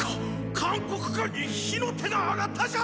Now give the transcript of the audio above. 函谷関に火の手が上がったじゃ